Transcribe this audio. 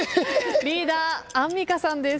リーダーアンミカさんです。